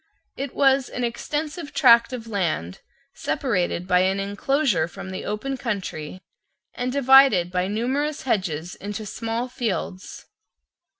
It was an extensive tract of land separated by an enclosure from the open country, and divided by numerous hedges into small fields.